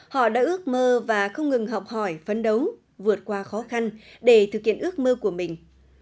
họ đã ước mơ và không ngừng học hỏi phấn đấu vượt qua khó khăn để thực hiện ước mơ của mình